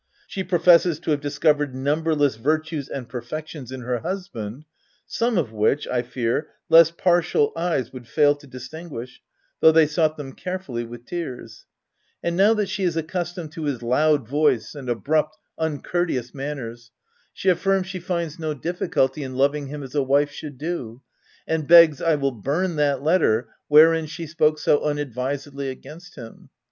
She professes to have discovered numberless virtues and per fections in her husband, some of which, I fear, less partial eyes would fail to distinguish, though they sought them carefully with tears ; and now that she is accustomed to his loud OF WILDFELL HALL. 123 voice and abrupt, uncourteous manners, she affirms she finds no difficulty in loving him as a wife should do, and begs I will burn that letter wherein she spoke so unadvisedly against him.